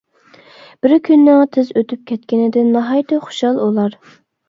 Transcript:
بىر كۈننىڭ تىز ئۆتۈپ كەتكىنىدىن ناھايىتى خۇشال ئۇلار.